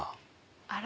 あら。